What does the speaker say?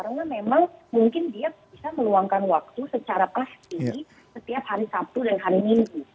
karena memang mungkin dia bisa meluangkan waktu secara pasti setiap hari sabtu dan hari minggu